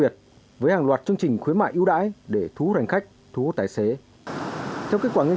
do ngày hai mươi năm tháng một năm hai nghìn hai mươi